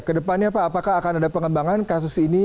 kedepannya pak apakah akan ada pengembangan kasus ini